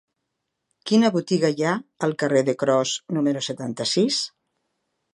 Quina botiga hi ha al carrer de Cros número setanta-sis?